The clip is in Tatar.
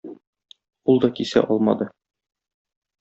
Ул да кисә алмады.